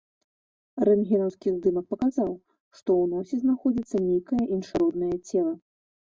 Рэнтгенаўскі здымак паказаў, што ў носе знаходзіцца нейкае іншароднае цела.